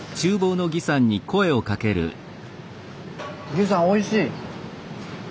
儀さんおいしい。